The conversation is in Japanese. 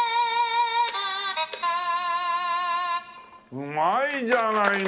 うまいじゃないの。